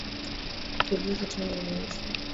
Kitulizo changu ni Yesu.